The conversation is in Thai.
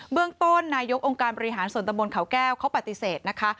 เรื่องต้นนายกองค์การบริหารส่วนตะบนเขาแก้วเขาปฏิเสธนะคะ